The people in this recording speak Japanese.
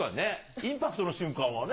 インパクトの瞬間はね。